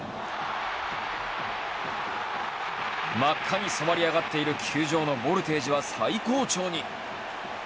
真っ赤に染まり上がっている球場のボルテージは最高潮に。